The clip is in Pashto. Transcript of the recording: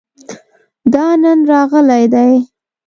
دا نن راغلی دی